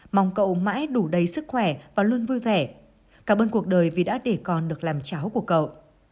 mong cậu mãi đủ đầy sức khỏe và luôn vui vẻ cảm ơn cuộc đời vì đã để con được làm cháu của cậu